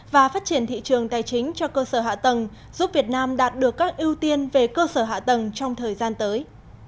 và phát triển thị trường tài chính cho cơ sở hạ tầng giúp việt nam đạt được các ưu tiên về cơ sở hạ tầng trong thời gian tới